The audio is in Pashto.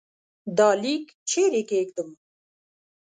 دا لیک چيري کښېږدم ؟